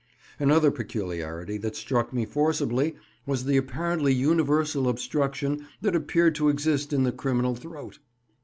Another peculiarity that struck me forcibly was the apparently universal obstruction that appeared to exist in the criminal throat.